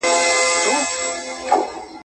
مایکرو فلم ریډر له ساینس څخه منځته راغلی ماشین دی.